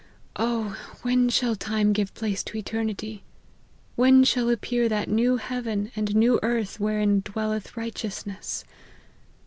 Oh ! when shall time give place to eternity ! When shall appear that new heaven and new earth wherein dwelleth righteousness